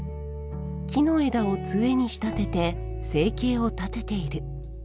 木の枝をつえに仕立てて生計を立てている。